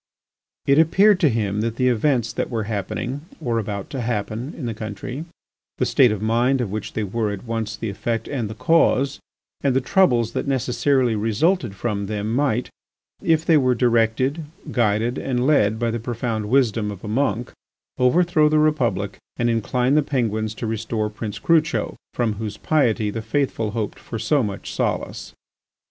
It appeared to him that the events that were happening or about to happen in the country, the state of mind of which they were at once the effect and the cause, and the troubles that necessarily resulted from them might—if they were directed, guided, and led by the profound wisdom of a monk—overthrow the Republic and incline the Penguins to restore Prince Crucho, from whose piety the faithful hoped for so much solace.